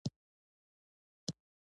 هغه ټولنې چې دا درس نه عملي کوي.